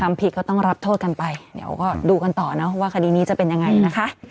ทำผิดก็ต้องรับโทษกันไปเดี๋ยวก็ดูกันต่อเนอะว่าคดีนี้จะเป็นยังไงนะคะ